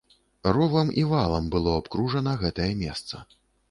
Ровам і валам было абкружана гэтае месца.